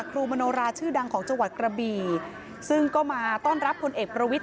มโนราชื่อดังของจังหวัดกระบีซึ่งก็มาต้อนรับพลเอกประวิทย